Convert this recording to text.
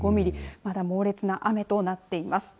まだ猛烈な雨となっています。